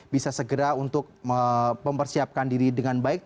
bisa segera untuk mempersiapkan diri dengan baik